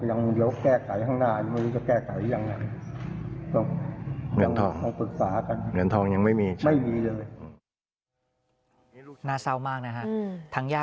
ยังเดี๋ยวแก้ไก่ข้างหน้ายังไม่รู้จะแก้ไก่อย่างไร